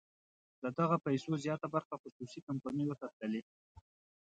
د دغه پیسو زیاته برخه خصوصي کمپنیو ته تللې.